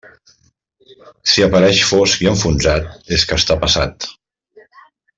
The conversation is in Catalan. Si apareix fosc i enfonsat, és que està passat.